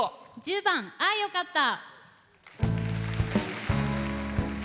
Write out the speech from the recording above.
１０番「あよかった」。